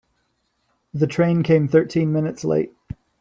The train came thirteen minutes late.